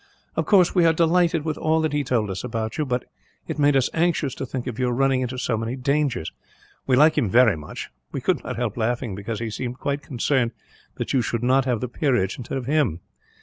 "Of course, we were delighted with all that he told us about you; but it made us anxious to think of your running into so many dangers. We like him very much. We could not help laughing, because he seemed quite concerned that you should not have the peerage, instead of him.